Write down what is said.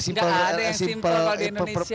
gak ada yang simple kalau di indonesia